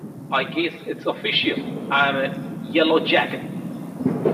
I guess its official, I'm a yellowjacket!